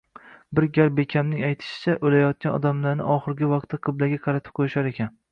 Bir gal bekamning aytishicha, o‘layotgan odamlarni oxirgi vaqtda qiblaga qaratib qo‘yishar ekan.